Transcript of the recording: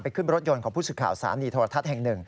ขึ้นรถยนต์ของผู้สื่อข่าวสถานีโทรทัศน์แห่งหนึ่ง